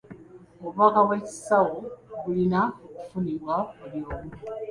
Obubaka bw'ekisawo bulina okufunibwa buli omu